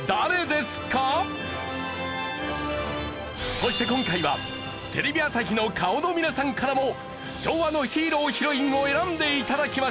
そして今回はテレビ朝日の顔の皆さんからも昭和のヒーロー＆ヒロインを選んで頂きました。